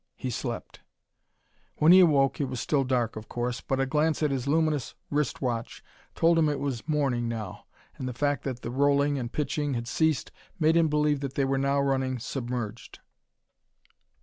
He slept. When he awoke it was still dark, of course, but a glance at his luminous wrist watch told him it was morning now. And the fact that the rolling and pitching had ceased made him believe they were now running submerged.